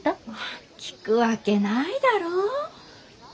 あ聞くわけないだろう？